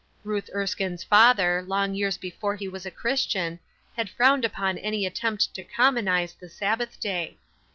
Ruth Erskine's father, long years before he was a Christian, had frowned upon any attempt to commonize the Sabbath day.